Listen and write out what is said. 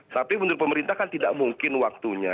tapi menurut pemerintah kan tidak mungkin waktunya